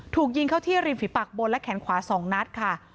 ถูกยิงเข้าที่ริมฝีปากบนและแขนขวา๒นัดค่ะ